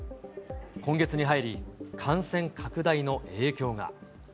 今月に入り、感染拡大の影響が。